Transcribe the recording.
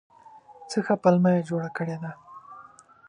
څه ښه پلمه یې جوړه کړې ده !